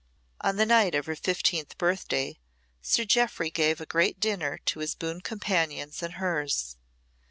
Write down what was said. On the night of her fifteenth birthday Sir Jeoffry gave a great dinner to his boon companions and hers.